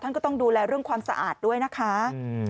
ก็ต้องดูแลเรื่องความสะอาดด้วยนะคะ